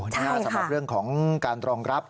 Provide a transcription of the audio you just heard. สำหรับเรื่องของการรองรับ